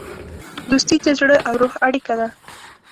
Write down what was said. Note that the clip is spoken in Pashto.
دوستي د زړه او روح اړیکه ده.